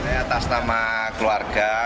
saya atas nama keluarga